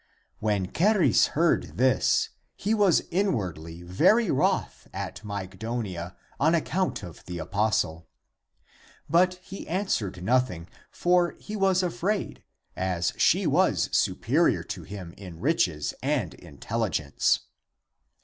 When Charis heard this, he was inwardly very wroth at Mygdonia on account of the apostle. But he answered nothing, for he was afraid, as she was superior to him in riches and intelligence.